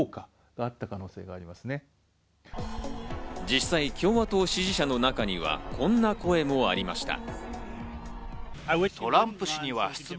実際、共和党支持者の中にはこんな声もありました。